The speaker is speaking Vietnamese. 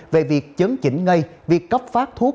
về việc chấn chỉnh ngay việc cấp phát thuốc